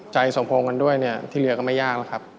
ใจสมคงกันด้วยเนี่ยที่เหลือก็ไม่ยากแล้วครับ